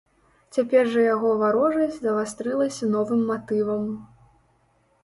Цяпер жа яго варожасць завастрылася новым матывам.